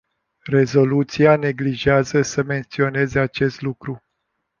Rezoluția neglijează să menționeze acest lucru.